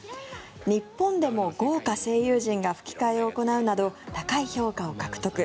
日本でも豪華声優陣が吹き替えを行うなど高い評価を獲得。